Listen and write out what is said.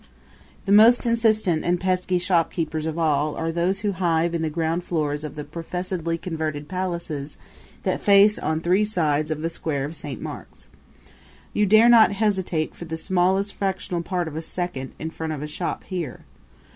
The most insistent and pesky shopkeepers of all are those who hive in the ground floors of the professedly converted palaces that face on three sides of the Square of Saint Mark's. You dare not hesitate for the smallest fractional part of a second in front of a shop here.